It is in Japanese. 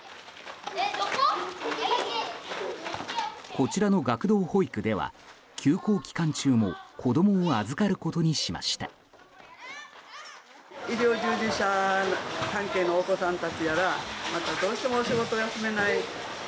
こちらの学童保育では休校期間中も子供を預かることにしました。